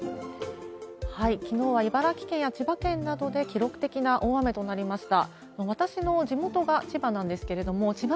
きのうは茨城県や千葉県などで記録的な大雨となりました。